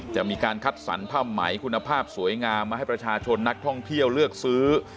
จะมีการคัดสรรผ้าไหมคุณภาพสวยงามมาให้ประชาชนนักท่องเที่ยวเลือกซื้อ